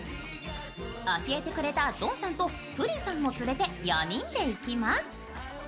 教えてくれたどんさんとプリンさんを連れて４人で行きます。